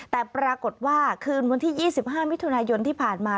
แต่ปรากฏว่าคืนวันที่๒๕มิถุนายนที่ผ่านมา